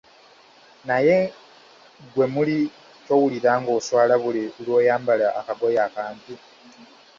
Naye gwe muli towulira ng'oswala buli lw'oyambala akagoye akampi?